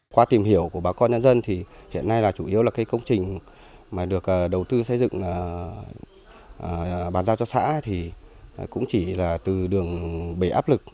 qua tìm hiểu của bà con nhân dân thì hiện nay là chủ yếu là cái công trình mà được đầu tư xây dựng bàn giao cho xã thì cũng chỉ là từ đường bể áp lực